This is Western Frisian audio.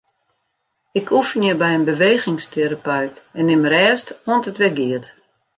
Ik oefenje by in bewegingsterapeut en nim rêst oant it wer giet.